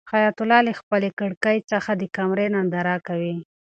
حیات الله له خپلې کړکۍ څخه د قمرۍ ننداره کوي.